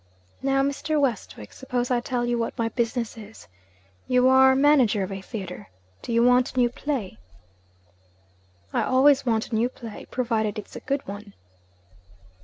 Now, Mr. Westwick, suppose I tell you what my business is. You are manager of a theatre. Do you want a new play?' 'I always want a new play provided it's a good one.'